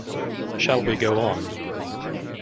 Shall we go on?